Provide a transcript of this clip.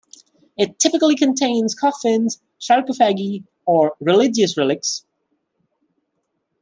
It typically contains coffins, sarcophagi, or religious relics.